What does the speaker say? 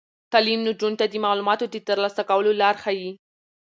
تعلیم نجونو ته د معلوماتو د ترلاسه کولو لار ښيي.